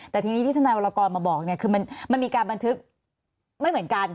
แต่ทีนี้ที่ทนายวรกรมาบอกเนี่ยคือมันมีการบันทึกไม่เหมือนกัน